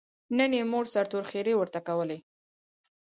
نن یې مور سرتور ښېرې ورته کولې.